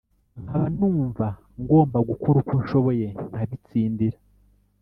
nkaba numva ngomba gukora uko nshoboye nkabitsindira